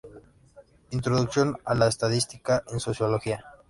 Introducción a la estadística en sociología".